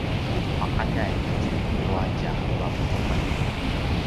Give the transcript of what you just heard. paqaljay itjen tua tja vavulungan